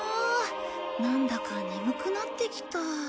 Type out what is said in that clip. なんだか眠くなってきた。